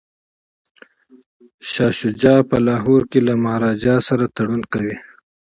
شاه شجاع په لاهور کي له مهاراجا سره تړون کوي.